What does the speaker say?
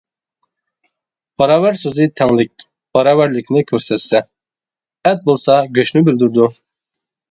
«باراۋەر» سۆزى تەڭلىك، باراۋەرلىكنى كۆرسەتسە، «ئەت» بولسا گۆشنى بىلدۈرىدۇ.